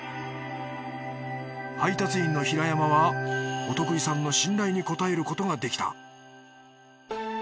配達員の平山はお得意さんの信頼に応えることができた。